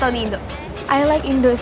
aku akan cari jalan keluar